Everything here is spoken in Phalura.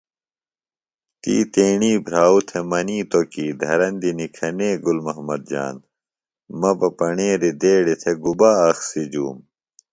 تی تیݨی بھراؤ تھےۡ منِیتوۡ کیۡ دھرندیۡ نِکھَنے گُل محمد جان، مہ بہ پݨیریۡ دیڑیۡ تھےۡ گُبا اخسیۡ جُوم